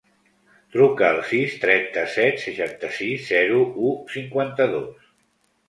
Truca al sis, trenta-set, seixanta-sis, zero, u, cinquanta-dos.